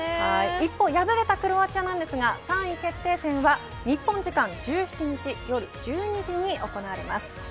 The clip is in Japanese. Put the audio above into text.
一方、敗れたクロアチアですが３位決定戦は日本時間１７日夜１２時に行われます。